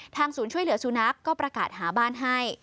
ศูนย์ช่วยเหลือสุนัขก็ประกาศหาบ้านให้